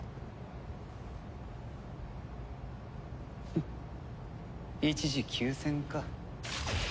フッ一時休戦か。